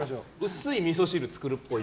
薄いみそ汁作るっぽい。